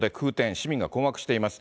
市民が困惑しています。